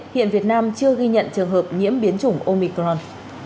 hiện việt nam chưa ghi nhận trường hợp nhiễm biến chủng omicron